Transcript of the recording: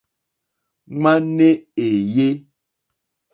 Ŋwáné èyé.